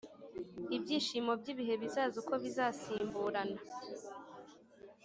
ibyishimo by’ibihe bizaza, uko bizasimburana.